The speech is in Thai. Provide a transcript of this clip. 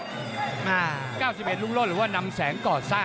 ๙๑รุ่งโลศหรือว่านำแสงก่อสร้าง